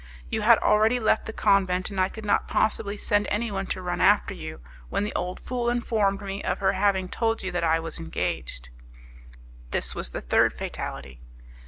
You had already left the convent, and I could not possibly send anyone to run after you, when the old fool informed me of her having told you that I was engaged. "This was the third fatality.